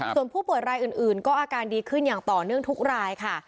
ส่วนผู้ป่วยรายอื่นก็อาการดีขึ้นอย่างต่อเนื่องทุกรายค่ะ